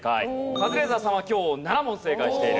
カズレーザーさんは今日７問正解している。